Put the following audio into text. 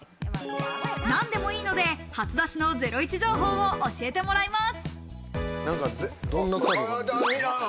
何でもいいので、初出しのゼロイチ情報を教えてもらいます。